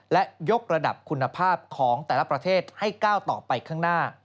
และยกระดับคุณภาพของแต่ละประเทศให้ก้าวต่อไปข้างหน้า